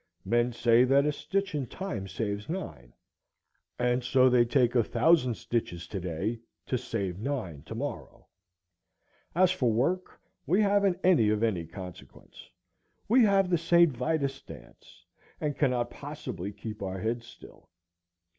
Men say that a stitch in time saves nine, and so they take a thousand stitches to day to save nine to morrow. As for work, we haven't any of any consequence. We have the Saint Vitus' dance, and cannot possibly keep our heads still.